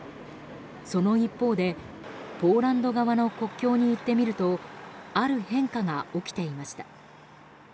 その一方でポーランド側の国境に行ってみるとある変化が起きていました。